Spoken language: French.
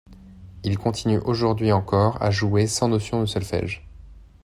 Il continue aujourd'hui encore à jouer sans notion de solfège.